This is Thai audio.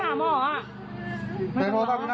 ทำไมเป็นอย่างนี้ล่ะ